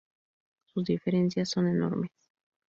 Sus diferencias son enormes.